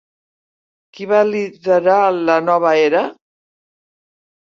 Qui va liderar la nova era?